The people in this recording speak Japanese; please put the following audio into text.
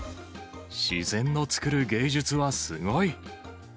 自然の作る芸術はすごい。